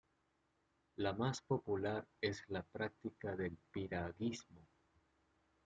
La más popular es la práctica del piragüismo.